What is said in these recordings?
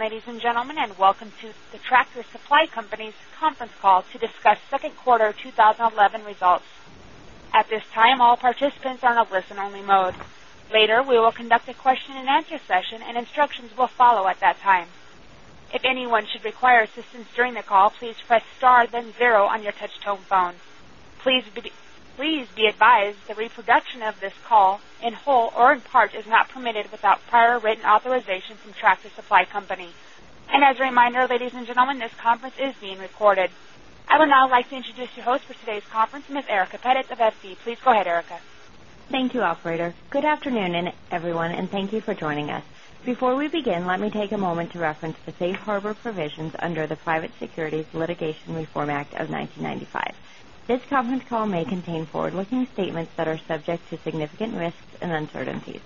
Ladies and gentlemen, welcome to the Tractor Supply Company's Conference Call to Discuss Second Quarter 2011 Results. At this time, all participants are in a listen-only mode. Later, we will conduct a question and answer session, and instructions will follow at that time. If anyone should require assistance during the call, please press star then zero on your touch-tone phone. Please be advised the reproduction of this call in whole or in part is not permitted without prior written authorization from Tractor Supply Company. As a reminder, ladies and gentlemen, this conference is being recorded. I would now like to introduce your host for today's conference, Ms. Erica Pettit of FD. Please go ahead, Erica. Thank you, operator. Good afternoon, everyone, and thank you for joining us. Before we begin, let me take a moment to reference the safe harbor provisions under the Private Securities Litigation Reform Act of 1995. This conference call may contain forward-looking statements that are subject to significant risks and uncertainties,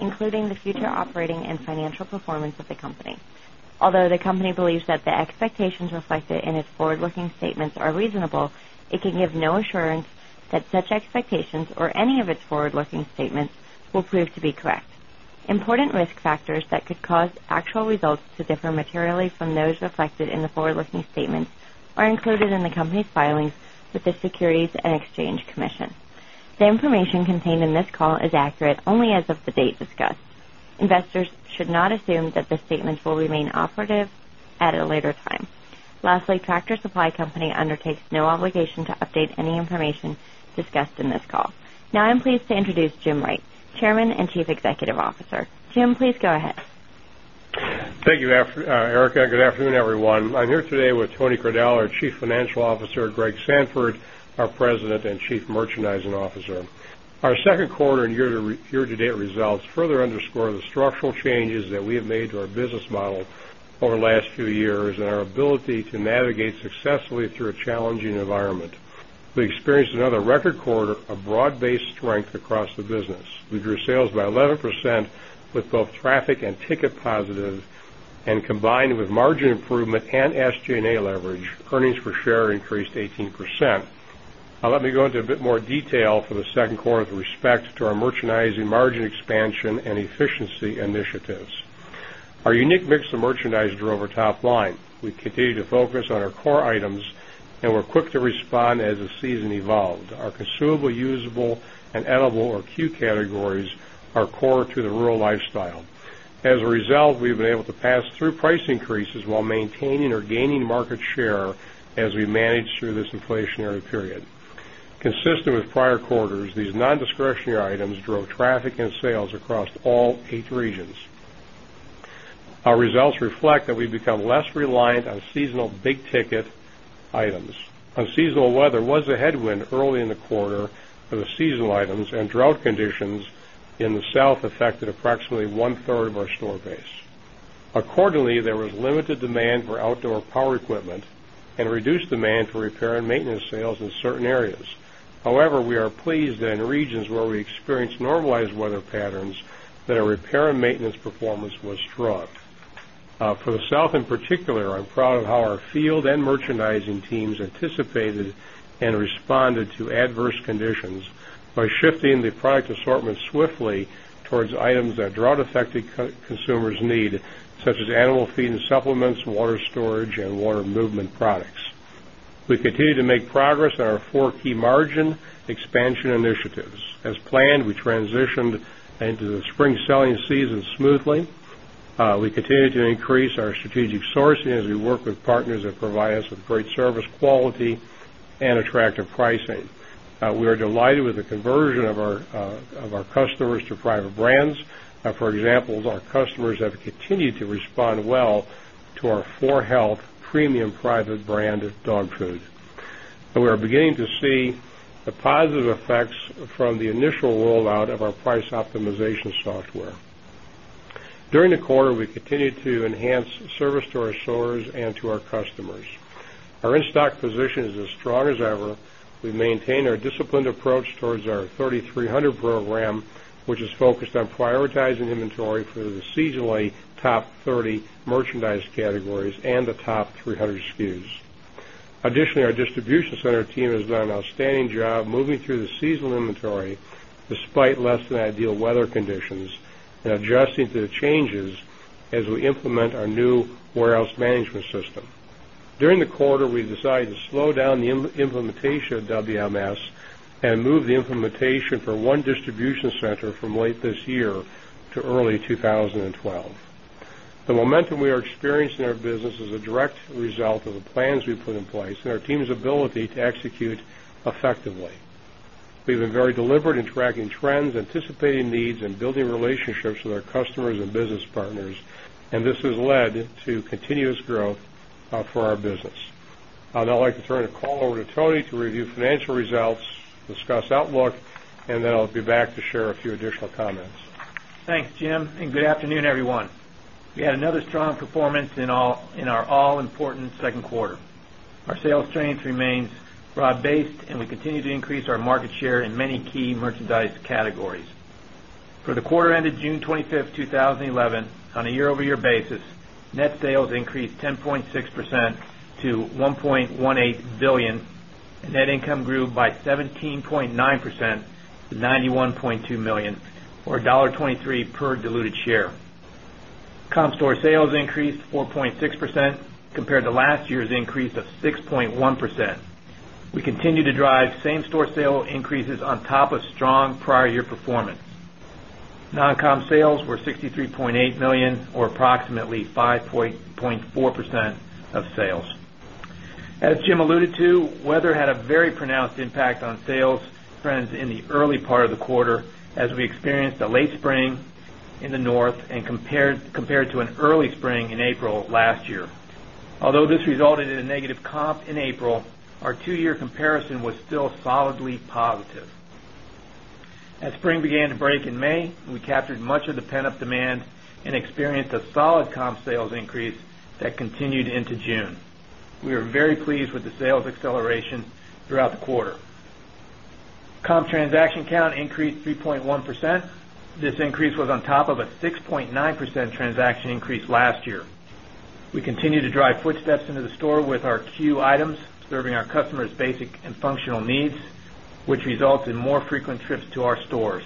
including the future operating and financial performance of the company. Although the company believes that the expectations reflected in its forward-looking statements are reasonable, it can give no assurance that such expectations or any of its forward-looking statements will prove to be correct. Important risk factors that could cause actual results to differ materially from those reflected in the forward-looking statements are included in the company's filings with the Securities and Exchange Commission. The information contained in this call is accurate only as of the date discussed. Investors should not assume that the statements will remain operative at a later time. Lastly, Tractor Supply Company undertakes no obligation to update any information discussed in this call. Now I'm pleased to introduce Jim Wright, Chairman and Chief Executive Officer. Jim, please go ahead. Thank you, Erica. Good afternoon, everyone. I'm here today with Tony Crudele, our Chief Financial Officer, and Greg Sandfort, our President and Chief Merchandising Officer. Our second quarter and year-to-date results further underscore the structural changes that we have made to our business model over the last few years and our ability to navigate successfully through a challenging environment. We experienced another record quarter of broad-based strength across the business. We grew sales by 11% with both traffic and ticket positives, and combined with margin improvement and SG&A leverage, earnings per share increased 18%. Now let me go into a bit more detail for the second quarter with respect to our merchandising, margin expansion, and efficiency initiatives. Our unique mix of merchandise drove our top line. We continue to focus on our core items and were quick to respond as the season evolved. Our consumable, usable, and edible, or CUE, categories are core to the rural lifestyle. As a result, we've been able to pass through price increases while maintaining or gaining market share as we managed through this inflationary period. Consistent with prior quarters, these non-discretionary items drove traffic and sales across all eight regions. Our results reflect that we've become less reliant on seasonal big-ticket items. Unseasonal weather was a headwind early in the quarter for the seasonal items, and drought conditions in the South affected approximately one-third of our store base. Accordingly, there was limited demand for outdoor power equipment and reduced demand for repair and maintenance sales in certain areas. However, we are pleased that in regions where we experienced normalized weather patterns, our repair and maintenance performance was strong. For the South in particular, I'm proud of how our field and merchandising teams anticipated and responded to adverse conditions by shifting the product assortment swiftly towards items that drought-affected consumers need, such as animal feed and supplements, water storage, and water movement products. We continue to make progress in our four key margin expansion initiatives. As planned, we transitioned into the spring selling season smoothly. We continue to increase our strategic sourcing as we work with partners that provide us with great service, quality, and attractive pricing. We are delighted with the conversion of our customers to private brands. For example, our customers have continued to respond well to our 4health premium private branded dog food. We are beginning to see the positive effects from the initial rollout of our price optimization software. During the quarter, we continue to enhance service to our sellers and to our customers. Our in-stock position is as strong as ever. We maintain our disciplined approach towards our 30/300 Program, which is focused on prioritizing inventory for the seasonally top 30 merchandise categories and the top 300 SKUs. Additionally, our distribution center team has done an outstanding job moving through the seasonal inventory despite less than ideal weather conditions and adjusting to the changes as we implement our new warehouse management system. During the quarter, we decided to slow down the implementation of the warehouse management system and move the implementation for one distribution center from late this year to early 2012. The momentum we are experiencing in our business is a direct result of the plans we put in place and our team's ability to execute effectively. We've been very deliberate in tracking trends, anticipating needs, and building relationships with our customers and business partners, and this has led to continuous growth for our business. I'd now like to turn the call over to Tony to review financial results, discuss outlook, and then I'll be back to share a few additional comments. Thanks, Jim, and good afternoon, everyone. We had another strong performance in our all-important second quarter. Our sales strength remains broad-based, and we continue to increase our market share in many key merchandise categories. For the quarter ended June 25th, 2011, on a year-over-year basis, net sales increased 10.6% to $1.18 billion, and net income grew by 17.9% to $91.2 million, or $1.23 per diluted share. Comp sales increased 4.6% compared to last year's increase of 6.1%. We continue to drive same-store sale increases on top of strong prior-year performance. Non-comp sales were $63.8 million, or approximately 5.4% of sales. As Jim alluded to, weather had a very pronounced impact on sales trends in the early part of the quarter, as we experienced a late spring in the North and compared to an early spring in April last year. Although this resulted in negative comps in April, our two-year comparison was still solidly positive. As spring began to break in May, we captured much of the pent-up demand and experienced a solid comp sales increase that continued into June. We are very pleased with the sales acceleration throughout the quarter. Comp transaction count increased 3.1%. This increase was on top of a 6.9% transaction increase last year. We continue to drive footsteps into the store with our Q items, serving our customers' basic and functional needs, which results in more frequent trips to our stores.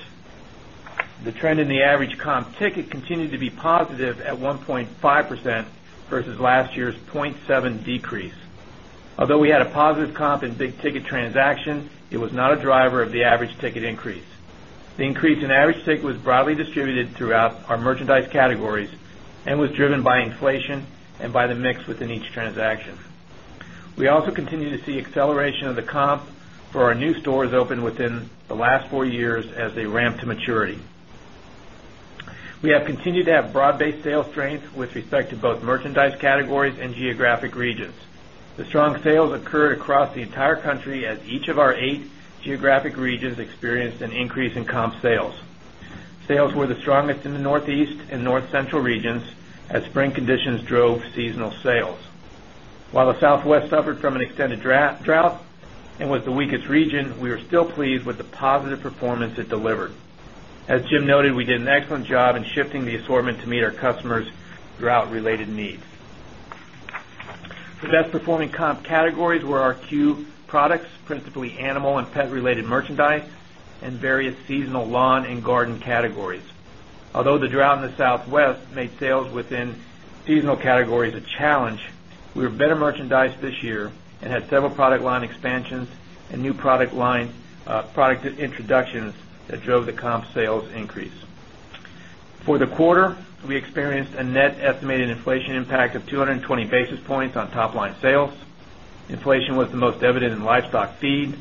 The trend in the average comp ticket continued to be positive at 1.5% versus last year's 0.7% decrease. Although we had a positive comp in big-ticket transaction, it was not a driver of the average ticket increase. The increase in average ticket was broadly distributed throughout our merchandise categories and was driven by inflation and by the mix within each transaction. We also continue to see acceleration of the comps for our new stores opened within the last four years as they ramped to maturity. We have continued to have broad-based sales strength with respect to both merchandise categories and geographic regions. The strong sales occurred across the entire country as each of our eight geographic regions experienced an increase in comp sales. Sales were the strongest in the Northeast and North Central regions as spring conditions drove seasonal sales. While the Southwest suffered from an extended drought and was the weakest region, we were still pleased with the positive performance it delivered. As Jim noted, we did an excellent job in shifting the assortment to meet our customers' drought-related needs. The best-performing comp categories were our Q products, principally animal and pet-related merchandise, and various seasonal lawn and garden categories. Although the drought in the Southwest made sales within seasonal categories a challenge, we were better merchandised this year and had several product line expansions and new product lines, product introductions that drove the comp sales increase. For the quarter, we experienced a net estimated inflation impact of 220 basis points on top line sales. Inflation was the most evident in livestock feed,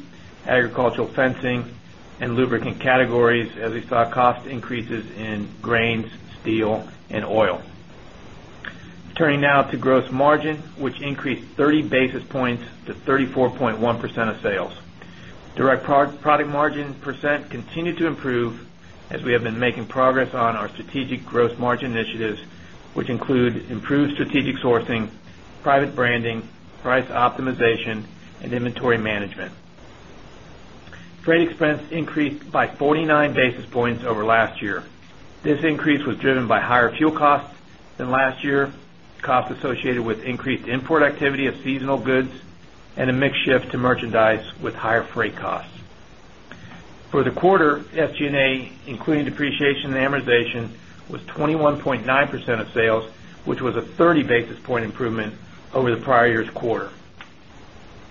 agricultural fencing, and lubricant categories as we saw cost increases in grains, steel, and oil. Turning now to gross margin, which increased 30 basis points to 34.1% of sales. Direct product margin percent continued to improve as we have been making progress on our strategic gross margin initiatives, which include improved strategic sourcing, private branding, price optimization, and inventory management. Freight expense increased by 49 basis points over last year. This increase was driven by higher fuel costs than last year, costs associated with increased import activity of seasonal goods, and a mixed shift to merchandise with higher freight costs. For the quarter, SG&A, including depreciation and amortization, was 21.9% of sales, which was a 30 basis point improvement over the prior year's quarter.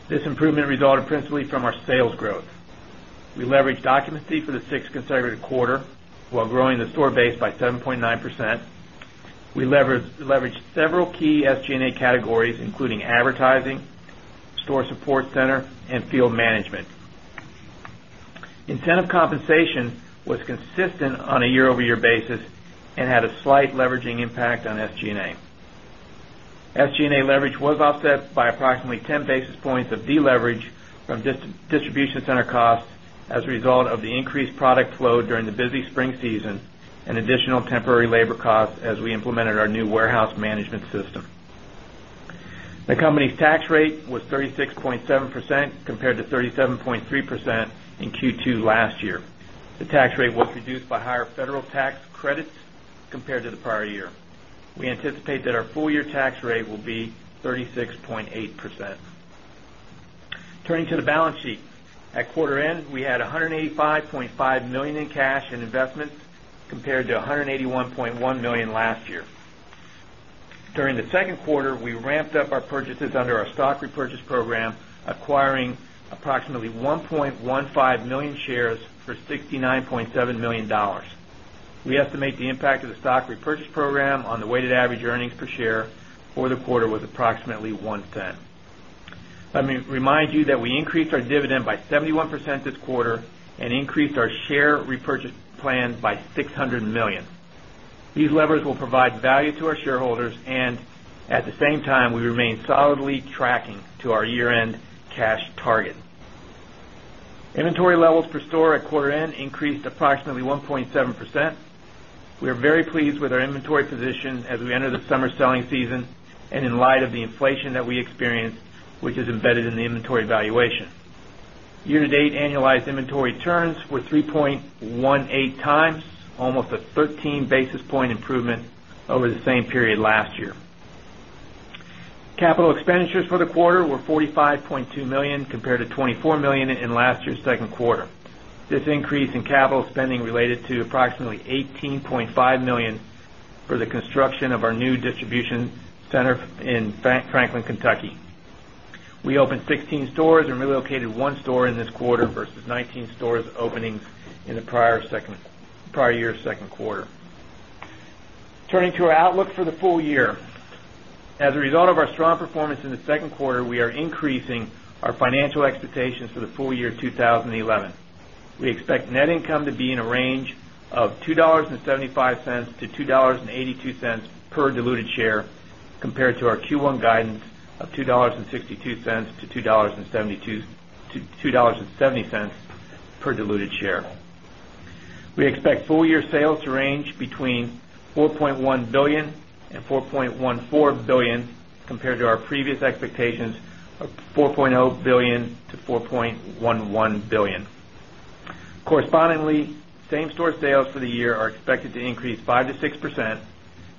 This improvement resulted principally from our sales growth. We leveraged occupancy for the sixth consecutive quarter while growing the store base by 7.9%. We leveraged several key SG&A categories, including advertising, store support center, and field management. Incentive compensation was consistent on a year-over-year basis and had a slight leveraging impact on SG&A. SG&A leverage was offset by approximately 10 basis points of deleverage from distribution center costs as a result of the increased product flow during the busy spring season and additional temporary labor costs as we implemented our new warehouse management system. The company's tax rate was 36.7% compared to 37.3% in Q2 last year. The tax rate was reduced by higher federal tax credits compared to the prior year. We anticipate that our full-year tax rate will be 36.8%. Turning to the balance sheet, at quarter end, we had $185.5 million in cash and investments compared to $181.1 million last year. During the second quarter, we ramped up our purchases under our share repurchase program, acquiring approximately 1.15 million shares for $69.7 million. We estimate the impact of the share repurchase program on the weighted average earnings per share for the quarter was approximately one-tenth. Let me remind you that we increased our dividend by 71% this quarter and increased our share repurchase plan by $600 million. These levers will provide value to our shareholders, and at the same time, we remain solidly tracking to our year-end cash target. Inventory levels per store at quarter end increased approximately 1.7%. We are very pleased with our inventory position as we enter the summer selling season and in light of the inflation that we experienced, which is embedded in the inventory valuation. Year-to-date annualized inventory turns were 3.18x, almost a 13 basis point improvement over the same period last year. Capital expenditures for the quarter were $45.2 million compared to $24 million in last year's second quarter. This increase in capital spending related to approximately $18.5 million for the construction of our new distribution center in Franklin, Kentucky. We opened 16 stores and relocated one store in this quarter versus 19 store openings in the prior year's second quarter. Turning to our outlook for the full year, as a result of our strong performance in the second quarter, we are increasing our financial expectations for the full year 2011. We expect net income to be in a range of $2.75-2.82 per diluted share compared to our Q1 guidance of $2.62-$2.70 per diluted share. We expect full-year sales to range between $4.1 billion-$4.14 billion compared to our previous expectations of $4.0 billion-$4.11 billion. Correspondingly, same-store sales for the year are expected to increase 5%-6%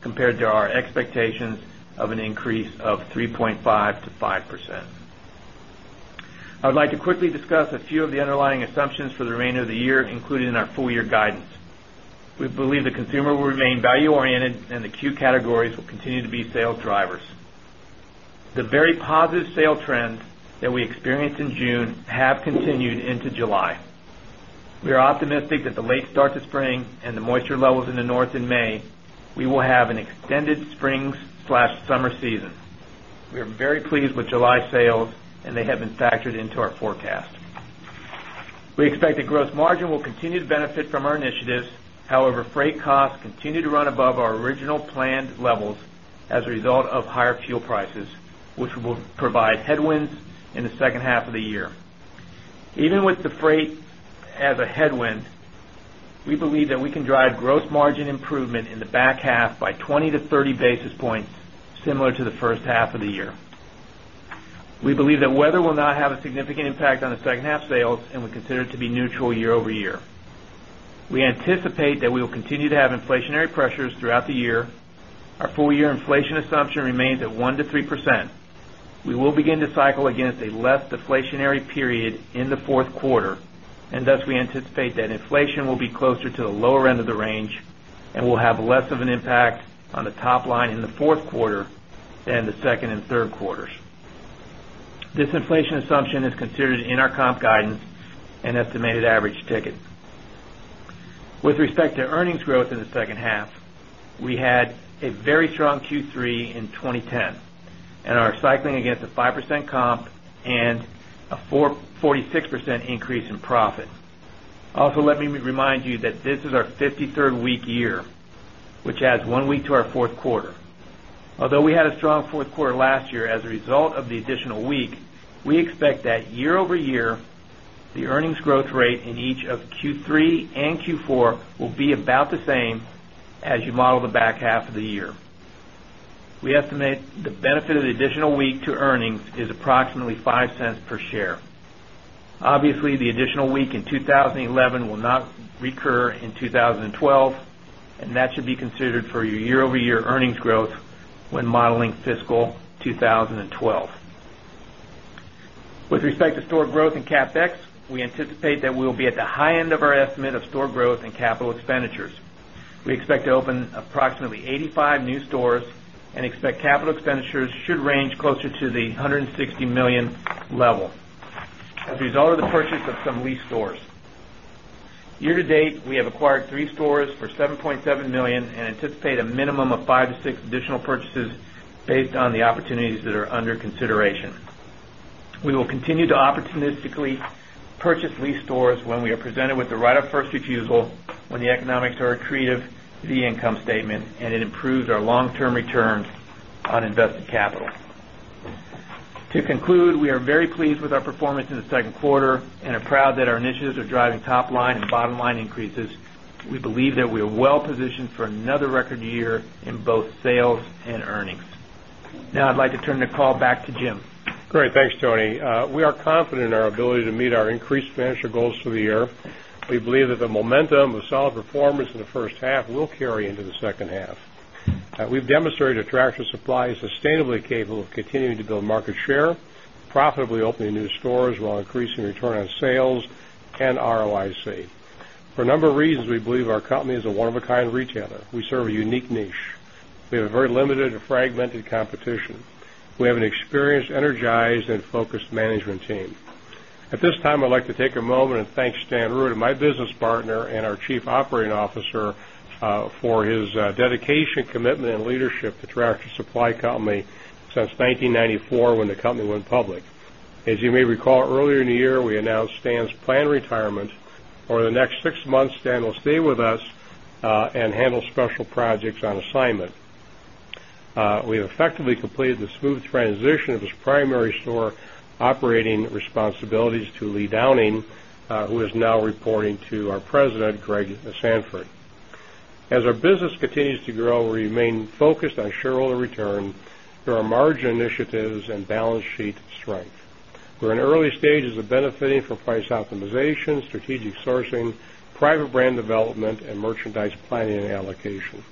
compared to our expectations of an increase of 3.5%-5%. I would like to quickly discuss a few of the underlying assumptions for the remainder of the year, including in our full-year guidance. We believe the consumer will remain value-oriented, and the Q categories will continue to be sales drivers. The very positive sale trend that we experienced in June has continued into July. We are optimistic that the late start to spring and the moisture levels in the north in May, we will have an extended spring/summer season. We are very pleased with July sales, and they have been factored into our forecast. We expect the gross margin will continue to benefit from our initiatives. However, freight costs continue to run above our original planned levels as a result of higher fuel prices, which will provide headwinds in the second half of the year. Even with the freight as a headwind, we believe that we can drive gross margin improvement in the back half by 20-30 basis points, similar to the first half of the year. We believe that weather will not have a significant impact on the second half sales, and we consider it to be neutral year-over-year. We anticipate that we will continue to have inflationary pressures throughout the year. Our full-year inflation assumption remains at 1%-3%. We will begin to cycle against a less deflationary period in the fourth quarter, and thus we anticipate that inflation will be closer to the lower end of the range and will have less of an impact on the top line in the fourth quarter than the second and third quarters. This inflation assumption is considered in our comp guidance and estimated average ticket. With respect to earnings growth in the second half, we had a very strong Q3 in 2010 and are cycling against a 5% comp and a 46% increase in profit. Also, let me remind you that this is our 53rd week year, which adds one week to our fourth quarter. Although we had a strong fourth quarter last year as a result of the additional week, we expect that year-over-year the earnings growth rate in each of Q3 and Q4 will be about the same as you model the back half of the year. We estimate the benefit of the additional week to earnings is approximately $0.05 per share. Obviously, the additional week in 2011 will not recur in 2012, and that should be considered for your year-over-year earnings growth when modeling fiscal 2012. With respect to store growth and CapEx, we anticipate that we will be at the high end of our estimate of store growth and capital expenditures. We expect to open approximately 85 new stores and expect capital expenditures should range closer to the $160 million level as a result of the purchase of some lease stores. Year to date, we have acquired three stores for $7.7 million and anticipate a minimum of five to six additional purchases based on the opportunities that are under consideration. We will continue to opportunistically purchase leased stores when we are presented with the right of first refusal when the economics are accretive to the income statement, and it improves our long-term returns on invested capital. To conclude, we are very pleased with our performance in the second quarter and are proud that our initiatives are driving top line and bottom line increases. We believe that we are well positioned for another record year in both sales and earnings. Now I'd like to turn the call back to Jim. Great. Thanks, Tony. We are confident in our ability to meet our increased financial goals for the year. We believe that the momentum of solid performance in the first half will carry into the second half. We've demonstrated that Tractor Supply is sustainably capable of continuing to build market share, profitably opening new stores while increasing return on sales and ROIC. For a number of reasons, we believe our company is a one-of-a-kind retailer. We serve a unique niche. We have very limited and fragmented competition. We have an experienced, energized, and focused management team. At this time, I'd like to take a moment and thank Stan Ruta, my business partner and our Chief Operating Officer, for his dedication, commitment, and leadership to Tractor Supply Company since 1994, when the company went public. As you may recall, earlier in the year, we announced Stan's planned retirement. Over the next six months, Stan will stay with us and handle special projects on assignment. We have effectively completed the smooth transition of his primary store operating responsibilities to Lee Downing, who is now reporting to our President, Greg Sandfort. As our business continues to grow, we remain focused on shareholder return through our margin initiatives and balance sheet strength. We're in early stages of benefiting from price optimization, strategic sourcing, private brand development, and merchandise planning and allocation.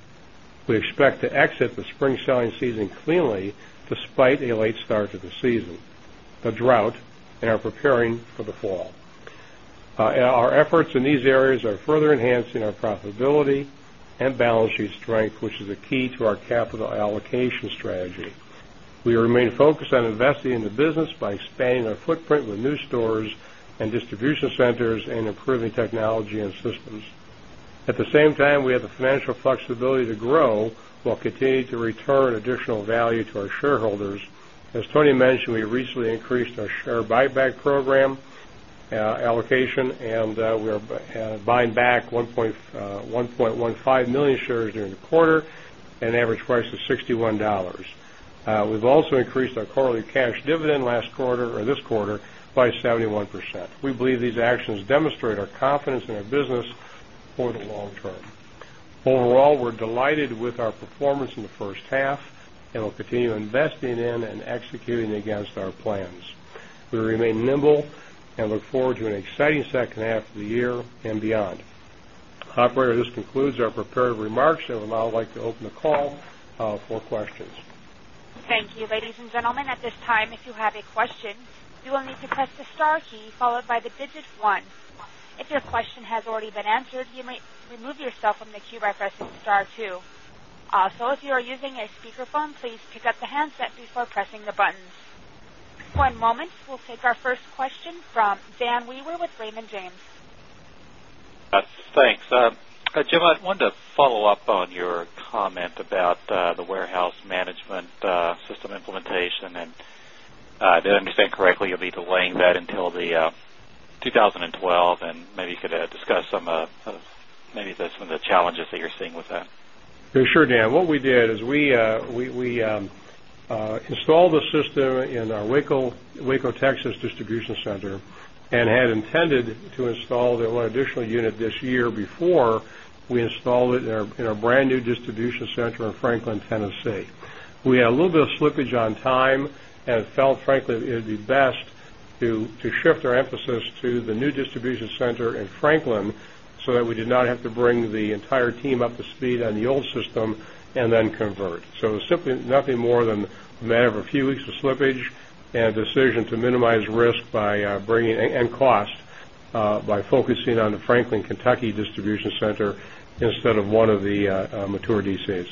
We expect to exit the spring selling season cleanly despite a late start to the season, the drought, and are preparing for the fall. Our efforts in these areas are further enhancing our profitability and balance sheet strength, which is the key to our capital allocation strategy. We remain focused on investing in the business by expanding our footprint with new stores and distribution centers and improving technology and systems. At the same time, we have the financial flexibility to grow while continuing to return additional value to our shareholders. As Tony mentioned, we recently increased our share buyback program allocation, and we are buying back 1.15 million shares during the quarter at an average price of $61. We've also increased our quarterly cash dividend last quarter, or this quarter, by 71%. We believe these actions demonstrate our confidence in our business for the long term. Overall, we're delighted with our performance in the first half and will continue investing in and executing against our plans. We remain nimble and look forward to an exciting second half of the year and beyond. Operator, this concludes our prepared remarks, and I would now like to open the call for questions. Thank you, ladies and gentlemen. At this time, if you have a question, you will need to press the star key followed by the digit one. If your question has already been answered, you might remove yourself from the queue by pressing star two. Also, if you are using a speakerphone, please pick up the handset before pressing the buttons. For a moment, we'll take our first question from Dan Wewer with Raymond James. Thanks. Jim, I wanted to follow up on your comment about the warehouse management system implementation. If I understand correctly, you'll be delaying that until 2012, and maybe you could discuss some, maybe some of the challenges that you're seeing with that. For sure, Dan. What we did is we installed the system in our Waco, Texas, distribution center and had intended to install the additional unit this year before we installed it in our brand new distribution center in Franklin, Kentucky. We had a little bit of slippage on time, and it felt, frankly, it would be best to shift our emphasis to the new distribution center in Franklin so that we did not have to bring the entire team up to speed on the old system and then convert. It was simply nothing more than a matter of a few weeks of slippage and a decision to minimize risk and cost by focusing on the Franklin, Kentucky, distribution center instead of one of the mature DCs.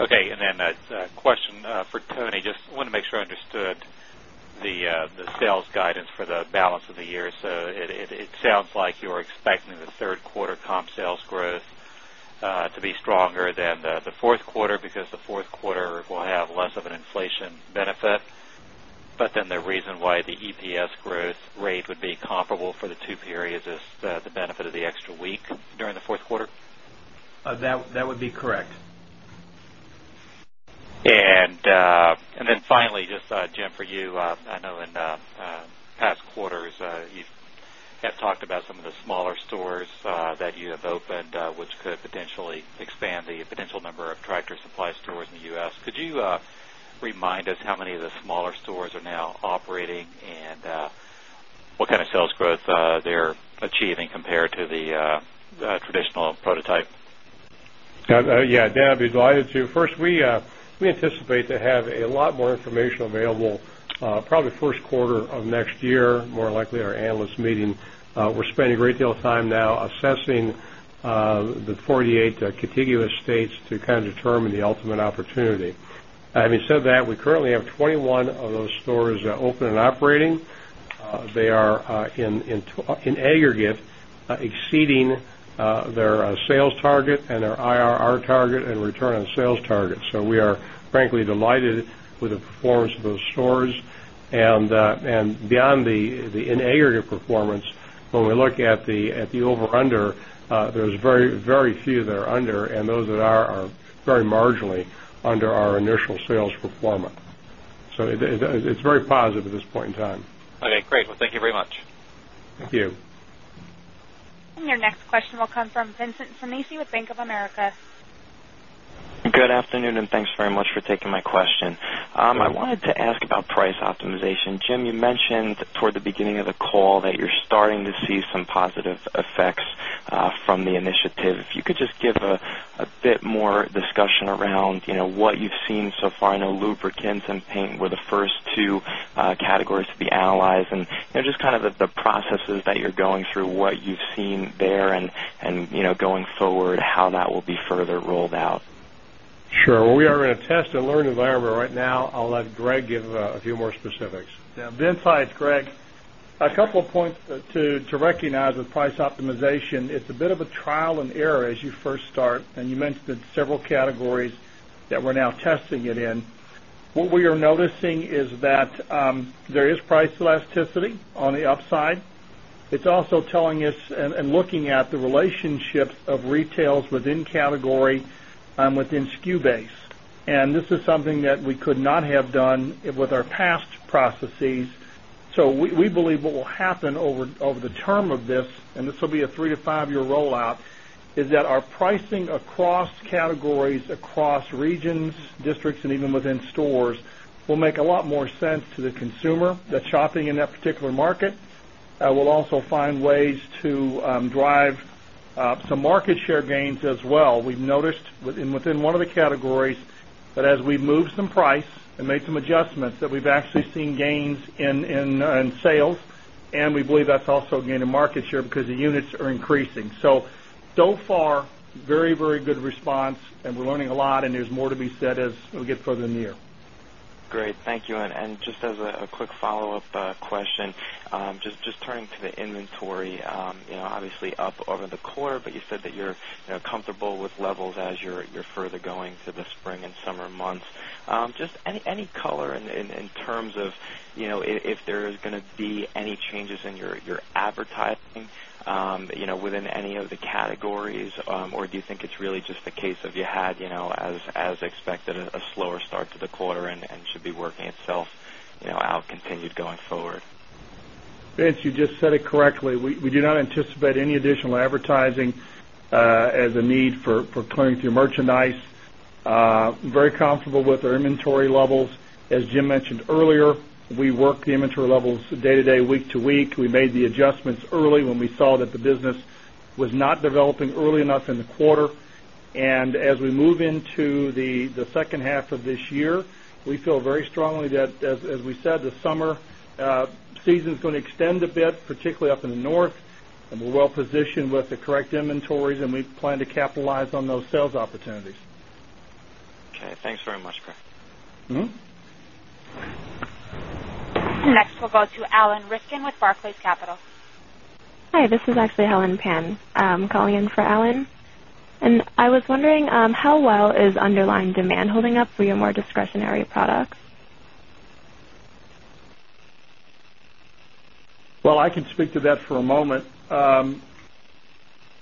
Okay. A question for Tony. I just want to make sure I understood the sales guidance for the balance of the year. It sounds like you're expecting the third quarter comp sales growth to be stronger than the fourth quarter because the fourth quarter will have less of an inflation benefit. The reason why the EPS growth rate would be comparable for the two periods is the benefit of the extra week during the fourth quarter? That would be correct. Jim, for you, I know in the past quarters, you have talked about some of the smaller stores that you have opened, which could potentially expand the potential number of Tractor Supply Company stores in the U.S. Could you remind us how many of the smaller stores are now operating and what kind of sales growth they're achieving compared to the traditional prototype? Yeah, Dan, I'd be delighted to. First, we anticipate to have a lot more information available, probably the first quarter of next year, more likely at our analyst meeting. We're spending a great deal of time now assessing the 48 contiguous states to kind of determine the ultimate opportunity. Having said that, we currently have 21 of those stores open and operating. They are, in aggregate, exceeding their sales target and their IRR target and return on sales target. We are, frankly, delighted with the performance of those stores. Beyond the in aggregate performance, when we look at the over/under, there's very, very few that are under, and those that are are very marginally under our initial sales performance. It's very positive at this point in time. Okay. Great. Thank you very much. Thank you. Your next question will come from Vincent Sinisi with Bank of America. Good afternoon, and thanks very much for taking my question. I wanted to ask about price optimization. Jim, you mentioned toward the beginning of the call that you're starting to see some positive effects from the initiative. If you could just give a bit more discussion around what you've seen so far. I know lubricants and paint were the first two categories to be analyzed. Just kind of the processes that you're going through, what you've seen there, and going forward, how that will be further rolled out. Sure. We are in a test-and-learn environment right now. I'll let Greg give a few more specifics. Yeah, Vincent, it's Greg. A couple of points to recognize with price optimization. It's a bit of a trial and error as you first start. You mentioned several categories that we're now testing it in. What we are noticing is that there is price elasticity on the upside. It's also telling us and looking at the relationships of retails within category and within SKU base. This is something that we could not have done with our past processes. We believe what will happen over the term of this, and this will be a three to five-year rollout, is that our pricing across categories, across regions, districts, and even within stores will make a lot more sense to the consumer that's shopping in that particular market. We'll also find ways to drive some market share gains as well. We've noticed within one of the categories that as we moved some price and made some adjustments that we've actually seen gains in sales, and we believe that's also gaining market share because the units are increasing. So far, very, very good response, and we're learning a lot, and there's more to be said as we get further in the year. Great. Thank you. Just as a quick follow-up question, turning to the inventory, obviously up over the quarter, but you said that you're comfortable with levels as you're further going to the spring and summer months. Any color in terms of if there's going to be any changes in your advertising within any of the categories, or do you think it's really just the case of you had, as expected, a slower start to the quarter and should be working itself out continued going forward? Vince, you just said it correctly. We do not anticipate any additional advertising as a need for clearing through merchandise. Very comfortable with our inventory levels. As Jim mentioned earlier, we work the inventory levels day to day, week to week. We made the adjustments early when we saw that the business was not developing early enough in the quarter. As we move into the second half of this year, we feel very strongly that, as we said, the summer season is going to extend a bit, particularly up in the North, and we're well positioned with the correct inventories, and we plan to capitalize on those sales opportunities. Okay. Thanks very much, Greg. Next, we'll go to Alan Rifkin with Barclays Capital. Hi. This is actually Helen Pan. I'm calling in for Alan. I was wondering, how well is underlying demand holding up for your more discretionary product? I can speak to that for a moment.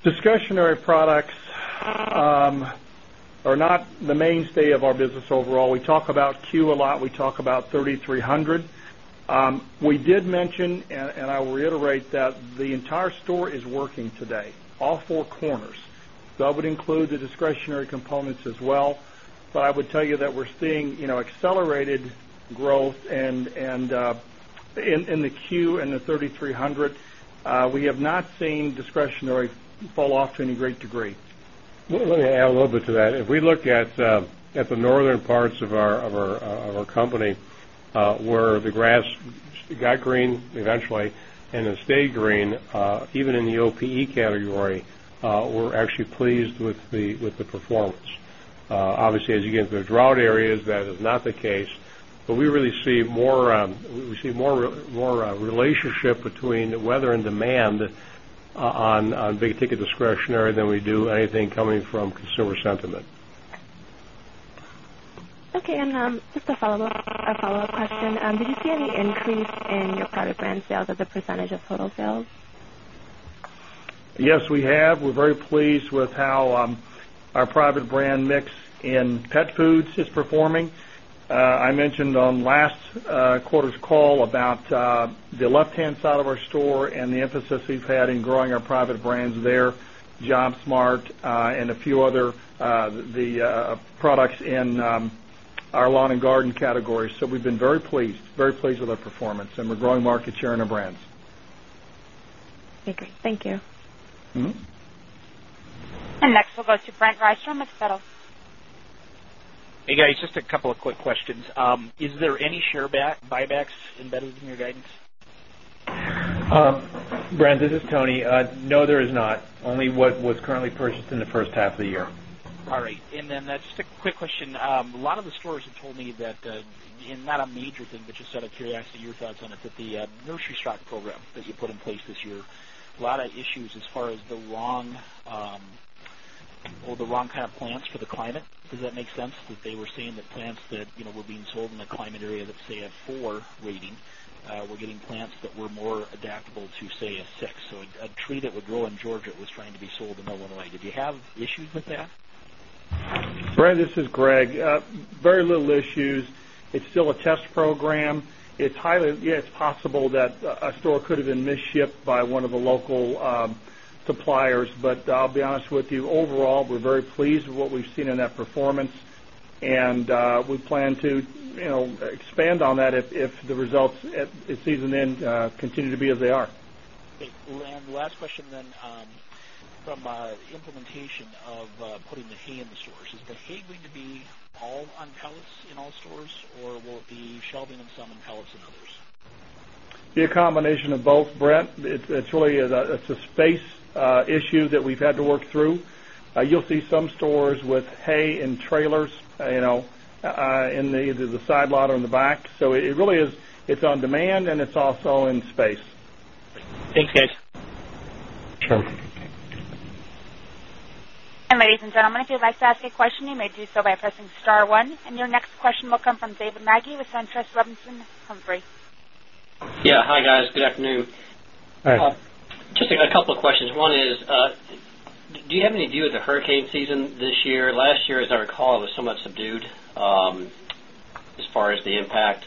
Discretionary products are not the mainstay of our business overall. We talk about Q a lot. We talk about 3,300. I did mention, and I will reiterate that the entire store is working today, all four corners. That would include the discretionary components as well. I would tell you that we're seeing accelerated growth in the Q and the 3,300. We have not seen discretionary fall off to any great degree. Let me add a little bit to that. If we look at the northern parts of our company, where the grass got green eventually and has stayed green, even in the OPE category, we're actually pleased with the performance. Obviously, as you get into the drought areas, that is not the case. We really see more relationship between weather and demand on big-ticket discretionary than we do anything coming from consumer sentiment. Okay. Just a follow-up question. Did you see any increase in your private brand sales as a percentage of total sales? Yes, we have. We're very pleased with how our private brand mix in pet foods is performing. I mentioned on last quarter's call about the left-hand side of our store and the emphasis we've had in growing our private brands there, JobSmart, and a few other products in our lawn and garden categories. We've been very pleased, very pleased with our performance, and we're growing market share in our brands. Interesting. Thank you. Next, we'll go to Brent Rystrom with Feltl. Hey, guys, just a couple of quick questions. Is there any share buybacks embedded in your guidance? Brent, this is Tony. No, there is not. Only what was currently purchased in the first half of the year. All right. That's just a quick question. A lot of the stores have told me that, and not a major thing, but just out of curiosity, your thoughts on it, that the nursery stock program that you put in place this year, a lot of issues as far as the wrong, or the wrong kind of plants for the climate. Does that make sense? That they were seeing the plants that, you know, were being sold in a climate area that, say, had four rating, were getting plants that were more adaptable to, say, a six. A tree that would grow in Georgia was trying to be sold in Illinois. Did you have issues with that? Brent, this is Greg. Very little issues. It's still a test program. It's highly, yeah, it's possible that a store could have been misshaped by one of the local suppliers. I'll be honest with you, overall, we're very pleased with what we've seen in that performance, and we plan to expand on that if the results at season end continue to be as they are. Okay. Last question, from the implementation of putting machine in the stores. Is the heat going to be all on pellets in all stores, or will it be shelving in some and pellets in others? It's a combination of both, Brent. It's really a space issue that we've had to work through. You'll see some stores with hay in trailers, you know, in either the sideload or in the back. It really is on demand, and it's also in space. Thanks, guys. Sure. If you'd like to ask a question, you may do so by pressing star one. Your next question will come from David Magee with SunTrust Robinson Humphrey. Yeah, hi, guys. Good afternoon. Hi. Just a couple of questions. One is, do you have any view of the hurricane season this year? Last year, as I recall, it was somewhat subdued as far as the impact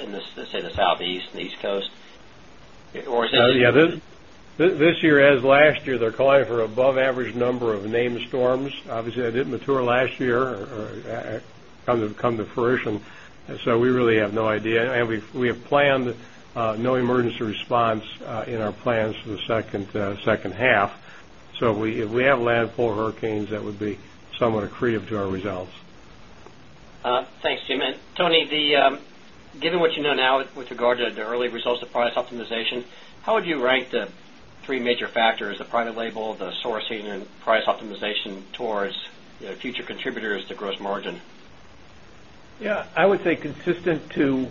in, let's say, the Southeast and the East Coast. Is it? This year, as last year, they're calling for an above-average number of named storms. Obviously, that didn't mature last year or come to fruition. We really have no idea. We have planned no emergency response in our plans for the second half. If we have a land full of hurricanes, that would be somewhat accretive to our results. Thanks, Jim. Tony, given what you know now with regard to the early results of price optimization, how would you rank the three major factors: the private label, the sourcing, and price optimization towards future contributors to gross margin? Yeah, I would say consistent to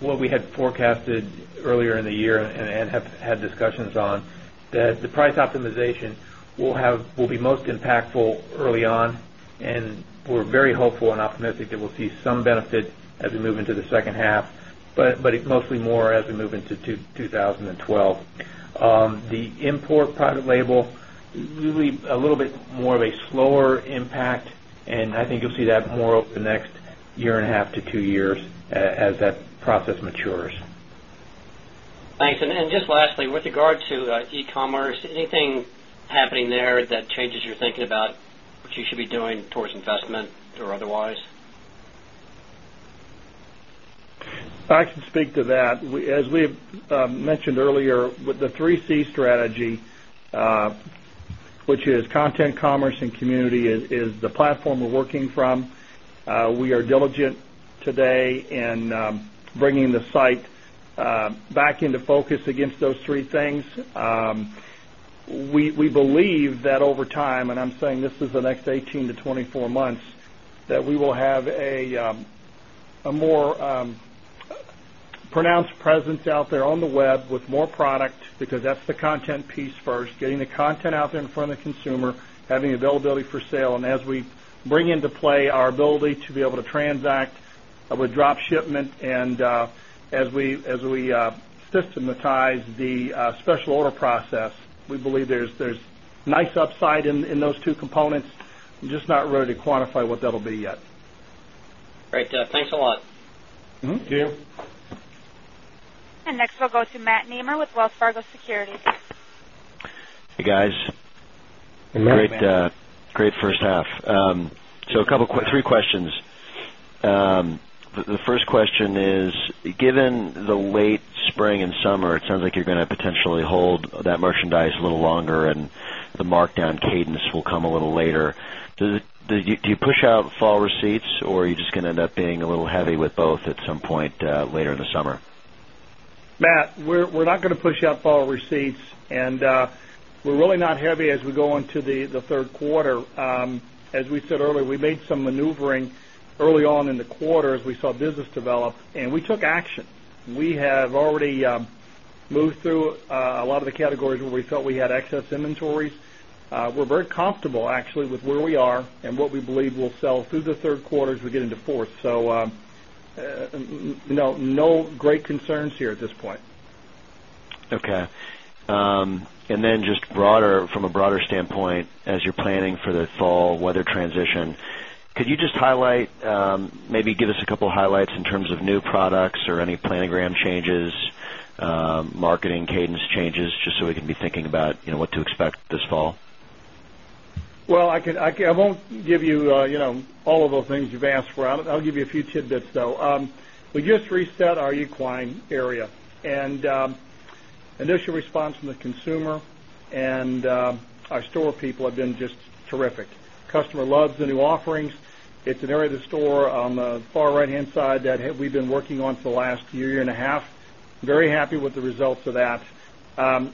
what we had forecasted earlier in the year and have had discussions on, that the price optimization will be most impactful early on. We're very hopeful and optimistic that we'll see some benefit as we move into the second half, but it's mostly more as we move into 2012. The import private label, usually a little bit more of a slower impact. I think you'll see that more over the next year and a half to two years as that process matures. Thanks. Lastly, with regard to e-commerce, anything happening there that changes your thinking about what you should be doing towards investment or otherwise? I can speak to that. As we have mentioned earlier, with the 3C strategy, which is content, commerce, and community, is the platform we're working from. We are diligent today in bringing the site back into focus against those three things. We believe that over time, and I'm saying this is the next 18 to 24 months, we will have a more pronounced presence out there on the web with more product because that's the content piece first, getting the content out there in front of the consumer, having availability for sale. As we bring into play our ability to be able to transact with drop shipment and as we systematize the special order process, we believe there's nice upside in those two components. I'm just not ready to quantify what that'll be yet. Great, thanks a lot. Thank you. Next, we'll go to Matt Niemer with Wells Fargo Securities. Hey, guys. Hey, Matt. Great, great first half. A couple of quick three questions. The first question is, given the late spring and summer, it sounds like you're going to potentially hold that merchandise a little longer, and the markdown cadence will come a little later. Do you push out fall receipts, or are you just going to end up being a little heavy with both at some point later in the summer? Matt, we're not going to push out fall receipts, and we're really not heavy as we go into the third quarter. As we said earlier, we made some maneuvering early on in the quarter as we saw business develop, and we took action. We have already moved through a lot of the categories where we felt we had excess inventories. We're very comfortable, actually, with where we are and what we believe we'll sell through the third quarter as we get into fourth. No great concerns here at this point. Okay. From a broader standpoint, as you're planning for the fall weather transition, could you just highlight, maybe give us a couple of highlights in terms of new products or any planogram changes, marketing cadence changes, just so we can be thinking about what to expect this fall? I won't give you, you know, all of the things you've asked for out of it. I'll give you a few tidbits, though. We just reset our equine area, and initial response from the consumer and our store people have been just terrific. Customer loves the new offerings. It's an area of the store on the far right-hand side that we've been working on for the last year, year and a half. Very happy with the results of that.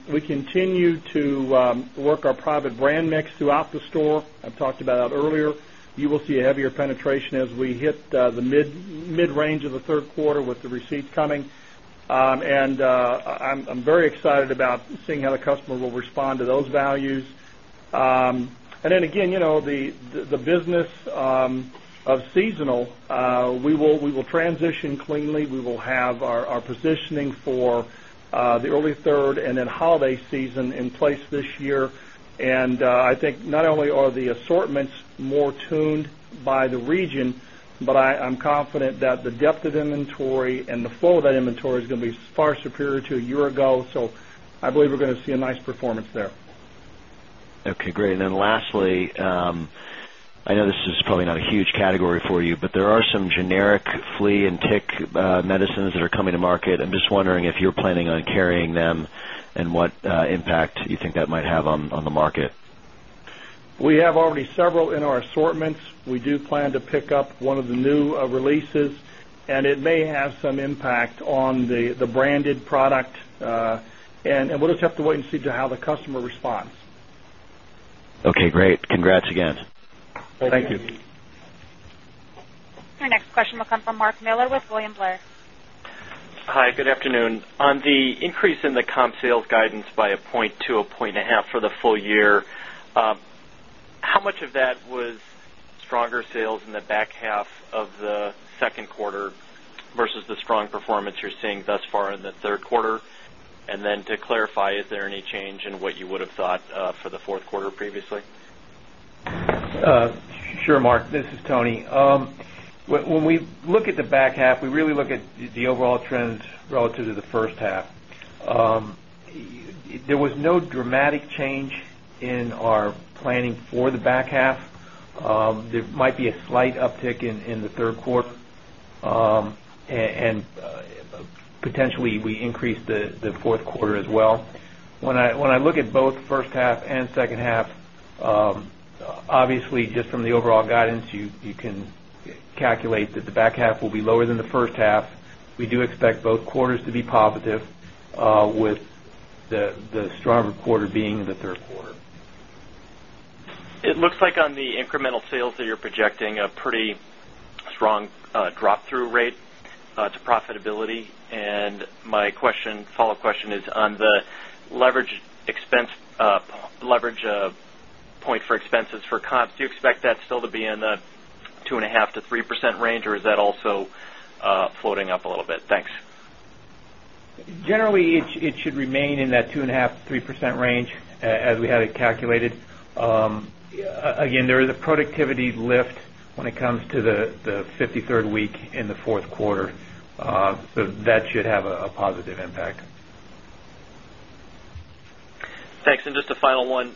We continue to work our private brand mix throughout the store. I've talked about that earlier. You will see a heavier penetration as we hit the mid-range of the third quarter with the receipts coming. I'm very excited about seeing how the customer will respond to those values. The business of seasonal, we will transition cleanly. We will have our positioning for the early third and then holiday season in place this year. I think not only are the assortments more tuned by the region, but I'm confident that the depth of inventory and the flow of that inventory is going to be far superior to a year ago. I believe we're going to see a nice performance there. Okay. Great. Lastly, I know this is probably not a huge category for you, but there are some generic flea and tick medicines that are coming to market. I'm just wondering if you're planning on carrying them and what impact you think that might have on the market. We have already several in our assortments. We do plan to pick up one of the new releases, and it may have some impact on the branded product. We'll just have to wait and see how the customer responds. Okay. Great. Congrats again. Thank you. Our next question will come from Mark Miller with William Blair. Hi. Good afternoon. On the increase in the comp sales guidance by a point to a point and a half for the full year, how much of that was stronger sales in the back half of the second quarter versus the strong performance you're seeing thus far in the third quarter? To clarify, is there any change in what you would have thought for the fourth quarter previously? Sure. Mark? This is Tony. When we look at the back half, we really look at the overall trends relative to the first half. There was no dramatic change in our planning for the back half. There might be a slight uptick in the third quarter, and potentially, we increased the fourth quarter as well. When I look at both first half and second half, obviously, just from the overall guidance, you can calculate that the back half will be lower than the first half. We do expect both quarters to be positive, with the stronger quarter being in the third quarter. It looks like on the incremental sales that you're projecting a pretty strong drop-through rate to profitability. My question, follow-up question is, on the leverage expense, leverage point for expenses for comps, do you expect that still to be in the 2.5%-3% range, or is that also floating up a little bit? Thanks. Generally, it should remain in that 2.5%-3% range as we had it calculated. There is a productivity lift when it comes to the 53rd week in the fourth quarter. That should have a positive impact. Thanks. Just a final one.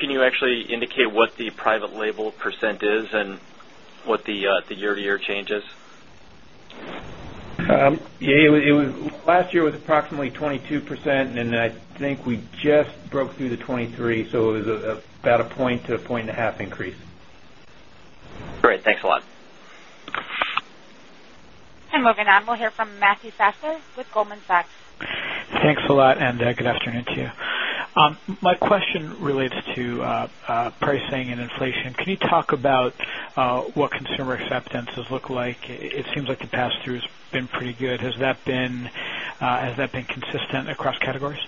Can you actually indicate what the private label percent is and what the year-to-year change is? Last year was approximately 22%, and I think we just broke through the 23. So it was about a point to a point and a half increase. Great, thanks a lot. Moving on, we'll hear from Matthew Fassler with Goldman Sachs. Thanks a lot, and good afternoon to you. My question relates to pricing and inflation. Can you talk about what consumer acceptances look like? It seems like the past year has been pretty good. Has that been consistent across categories?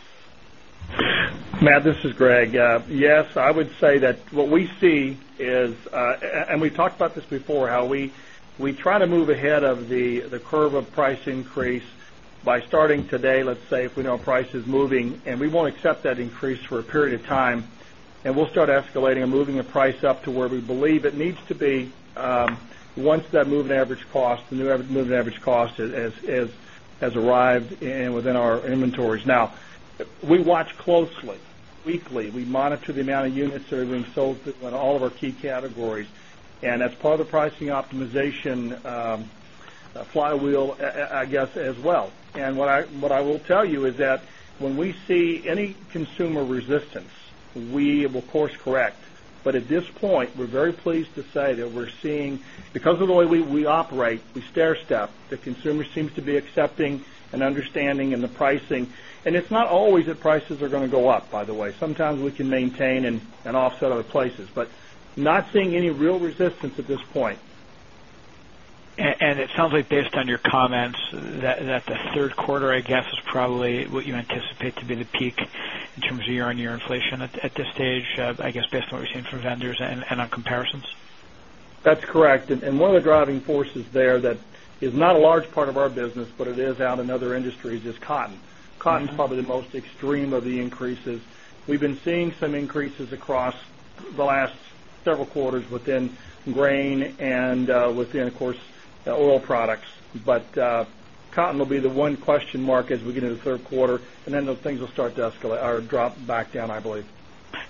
Matt, this is Greg. Yes, I would say that what we see is, and we've talked about this before, how we try to move ahead of the curve of price increase by starting today, let's say, if we know a price is moving, and we won't accept that increase for a period of time, and we'll start escalating and moving a price up to where we believe it needs to be once that moving average cost, the new moving average cost has arrived within our inventories. We watch closely, weekly. We monitor the amount of units that are being sold in all of our key categories. That's part of the pricing optimization flywheel, I guess, as well. What I will tell you is that when we see any consumer resistance, we will course-correct. At this point, we're very pleased to say that we're seeing, because of the way we operate, we stair-step. The consumer seems to be accepting and understanding in the pricing. It's not always that prices are going to go up, by the way. Sometimes we can maintain and offset other places. Not seeing any real resistance at this point. It sounds like based on your comments that the third quarter is probably what you anticipate to be the peak in terms of year-on-year inflation at this stage, based on what we're seeing from vendors and on comparisons. That's correct. One of the driving forces there that is not a large part of our business, but it is out in other industries, is cotton. Cotton is probably the most extreme of the increases. We've been seeing some increases across the last several quarters within grain and within, of course, oil products. Cotton will be the one question mark as we get into the third quarter, and then things will start to escalate or drop back down, I believe.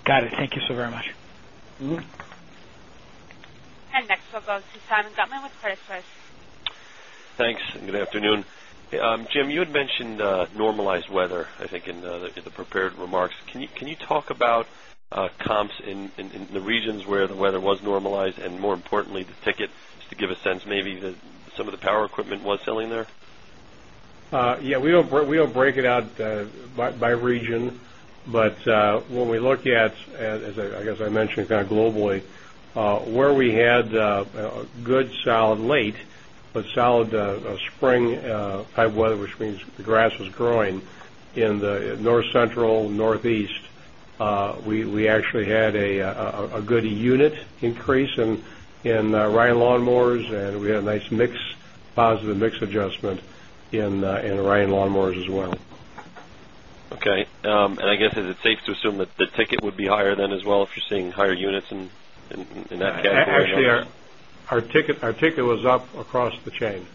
Got it. Thank you so very much. Next, we'll go to Simeon Gutman with C Suisse. Thanks. Good afternoon. Jim, you had mentioned normalized weather, I think, in the prepared remarks. Can you talk about comps in the regions where the weather was normalized? More importantly, the ticket, just to give a sense, maybe that some of the outdoor power equipment was selling there? Yeah, we don't break it out by region. When we look at, as I guess I mentioned, kind of globally, where we had a good solid late, but solid spring-type weather, which means the grass was growing in the North Central, Northeast, we actually had a good unit increase in riding lawnmowers, and we had a nice positive mix adjustment in riding lawnmowers as well. Okay. Is it safe to assume that the ticket would be higher then as well if you're seeing higher units in that category? Actually, our ticket was up across the chain.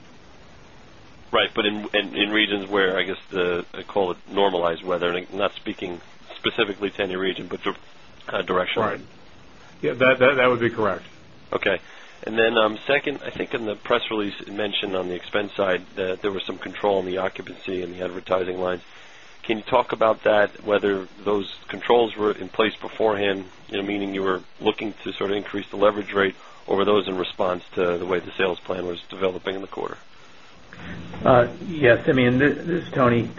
Right. In regions where, I guess, they call it normalized weather, I'm not speaking specifically to any region, but the direction. Right, yeah, that would be correct. Okay. In the press release it mentioned on the expense side that there was some control on the occupancy and the advertising lines. Can you talk about that, whether those controls were in place beforehand, meaning you were looking to sort of increase the leverage rate, or were those in response to the way the sales plan was developing in the quarter? Yes. I mean, this is Tony.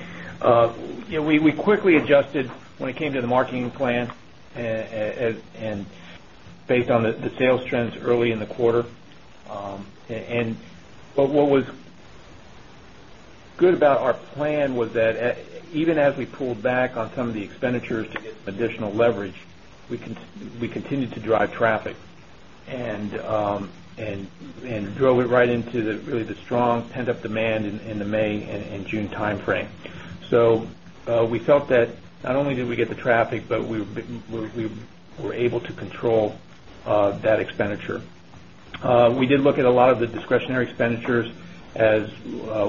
You know, we quickly adjusted when it came to the marketing plan and based on the sales trends early in the quarter. What was good about our plan was that even as we pulled back on some of the expenditures to get some additional leverage, we continued to drive traffic and drove it right into the really strong pent-up demand in the May and June timeframe. We felt that not only did we get the traffic, but we were able to control that expenditure. We did look at a lot of the discretionary expenditures as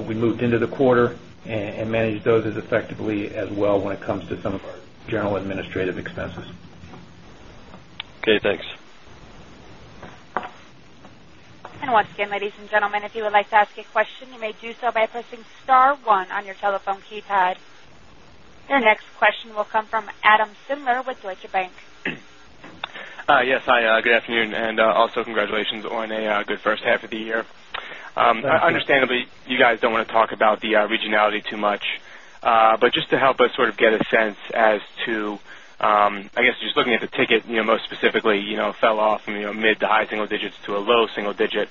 we moved into the quarter and managed those as effectively as well when it comes to some of our general administrative expenses. Okay. Thanks. Once again, ladies and gentlemen, if you would like to ask a question, you may do so by pressing star one on your telephone keypad. Your next question will come from Adam Sindler with Deutsche Bank. Yes. Hi. Good afternoon. Also, congratulations on a good first half of the year. Understandably, you guys don't want to talk about the regionality too much. Just to help us sort of get a sense as to, I guess, just looking at the ticket, you know, most specifically, you know, fell off from mid to high single digits to a low single digit.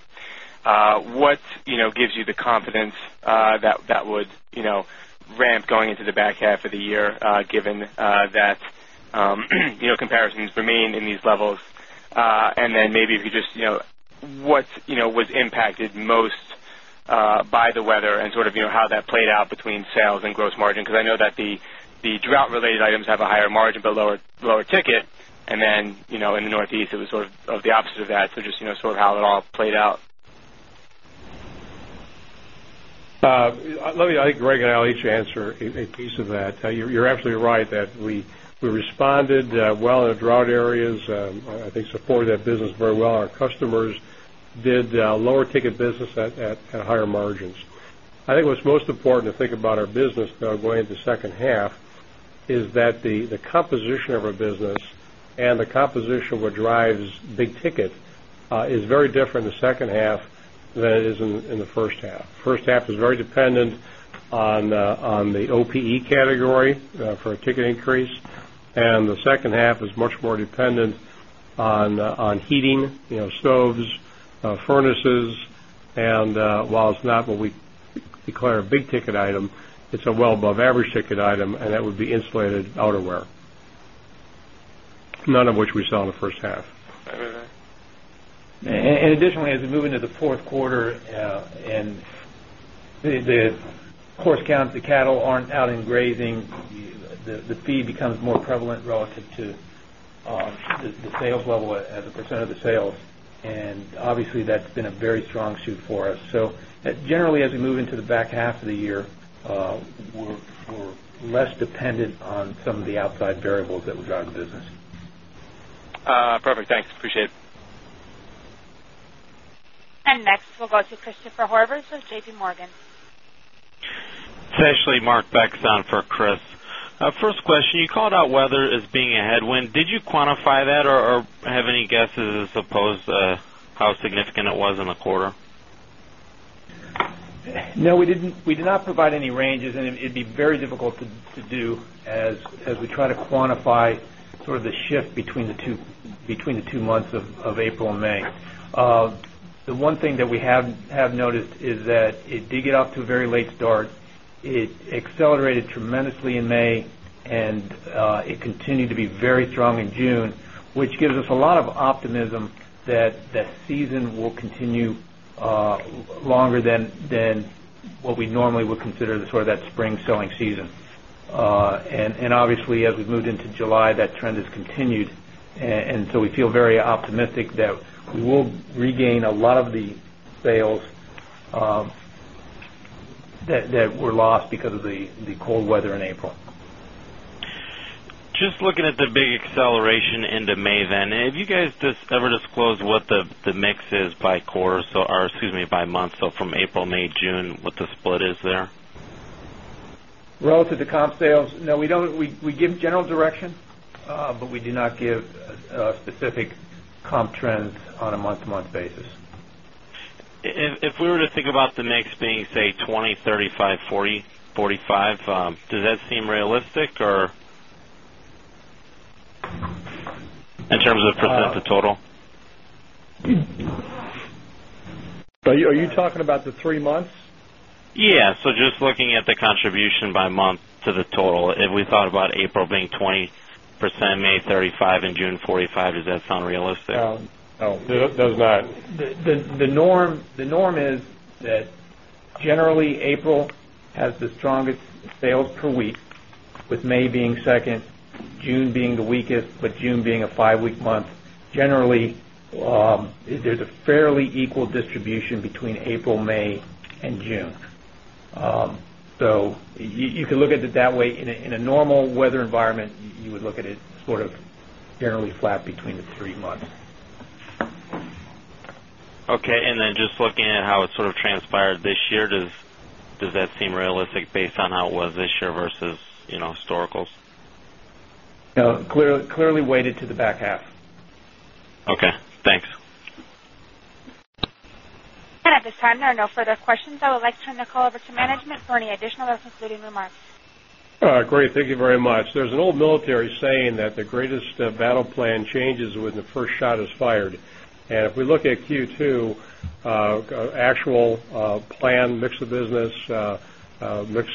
What gives you the confidence that that would ramp going into the back half of the year, given that comparisons remain in these levels? Maybe if you could just, you know, what was impacted most by the weather and sort of how that played out between sales and gross margin? I know that the drought-related items have a higher margin but lower ticket. In the Northeast, it was sort of the opposite of that. Just, you know, sort of how it all played out. I think Greg and I will each answer a piece of that. You're absolutely right that we responded well in the drought areas. I think we supported that business very well. Our customers did lower ticket business at higher margins. I think what's most important to think about our business going into the second half is that the composition of our business and the composition of what drives big tickets is very different in the second half than it is in the first half. The first half is very dependent on the OPE category for a ticket increase. The second half is much more dependent on heating, you know, stoves, furnaces. While it's not what we declare a big ticket item, it's a well above average ticket item, and that would be insulated outerwear, none of which we sell in the first half. Additionally, as we move into the fourth quarter and the horse count, the cattle aren't out in grazing, the feed becomes more prevalent relative to the sales level as a percentage of the sales. Obviously, that's been a very strong shoot for us. Generally, as we move into the back half of the year, we're less dependent on some of the outside variables that will drive the business. Perfect. Thanks. Appreciate it. Next, we'll go to Christopher Horvers with JPMorgan. It's actually Mark Becks on for Chris. First question, you called out weather as being a headwind. Did you quantify that or have any guesses as to how significant it was in the quarter? No, we didn't. We did not provide any ranges, and it'd be very difficult to do as we try to quantify sort of the shift between the two months of April and May. The one thing that we have noticed is that it did get off to a very late start. It accelerated tremendously in May, and it continued to be very strong in June, which gives us a lot of optimism that the season will continue longer than what we normally would consider that spring selling season. Obviously, as we've moved into July, that trend has continued. We feel very optimistic that we will regain a lot of the sales that were lost because of the cold weather in April. Just looking at the big acceleration into May, have you guys ever disclosed what the mix is by quarter or, excuse me, by month? From April, May, June, what the split is there? Relative to comp sales, no, we don't. We give general direction, but we do not give specific comp trends on a month-to-month basis. If we were to think about the mix being, say, 20%, 35%, 40%, 45%, does that seem realistic or in terms of percentage of the total? Are you talking about the three months? Yeah. Just looking at the contribution by month to the total, if we thought about April being 20%, May 35%, and June 45%, does that sound realistic? No, no, it does not. The norm is that generally, April has the strongest sales per week, with May being second, June being the weakest, but June being a five-week month. Generally, there's a fairly equal distribution between April, May, and June. You could look at it that way. In a normal weather environment, you would look at it sort of generally flat between the three months. Okay. Just looking at how it sort of transpired this year, does that seem realistic based on how it was this year versus, you know, historicals? Clearly weighted to the back half. Okay. Thanks. At this time, there are no further questions. I would like to turn the call over to management for any additional or concluding remarks. Great. Thank you very much. There's an old military saying that, "The greatest battle plan changes when the first shot is fired." If we look at Q2, actual, plan, mix of business,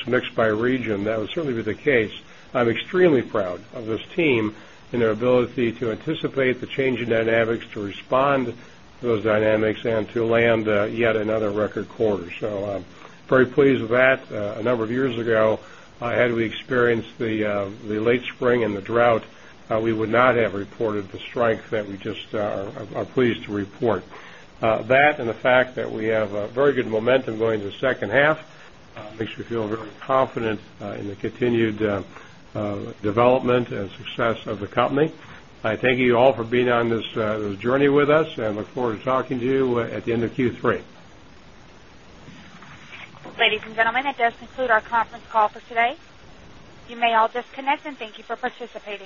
mix by region, that would certainly be the case. I'm extremely proud of this team and their ability to anticipate the changing dynamics, to respond to those dynamics, and to land yet another record quarter. I'm very pleased with that. A number of years ago, had we experienced the late spring and the drought, we would not have reported the strength that we just are pleased to report. That and the fact that we have very good momentum going to the second half makes me feel very confident in the continued development and success of the company. I thank you all for being on this journey with us, and I look forward to talking to you at the end of Q3. Ladies and gentlemen, this does conclude our conference call for today. You may all disconnect, and thank you for participating.